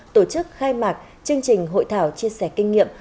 tổ chức khai mạc chương trình hội thảo chia sẻ kinh nghiệm